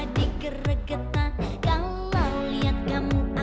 dah gue balik ya